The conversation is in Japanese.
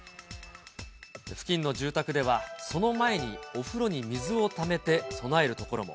付近の住宅では、その前にお風呂に水をためて備えるところも。